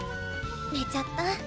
寝ちゃった。